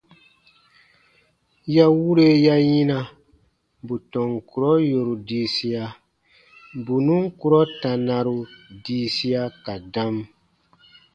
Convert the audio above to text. Ya wure ya yina bù tɔn kurɔ yòru diisia, bù nùn kurɔ tanaru diisia ka dam.